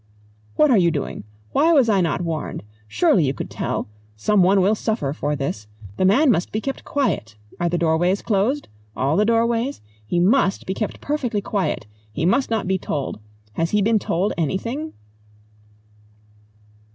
"What are you doing? Why was I not warned? Surely you could tell? Someone will suffer for this. The man must be kept quiet. Are the doorways closed? All the doorways? He must be kept perfectly quiet. He must not be told. Has he been told anything?"